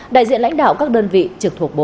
đại diện lãnh đạo các đơn vị trực thuộc bộ